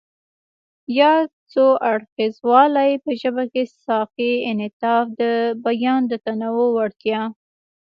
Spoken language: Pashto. ياد څو اړخیزوالی په ژبه کې سیاقي انعطاف، د بیان د تنوع وړتیا،